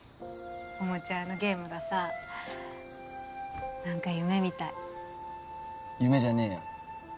おもちゃ屋のゲームがさ何か夢みたい夢じゃねえよ